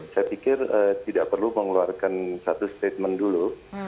saya pikir tidak perlu mengeluarkan satu statement dulu